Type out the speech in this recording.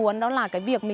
à xinh cốm